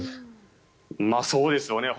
そうですよね。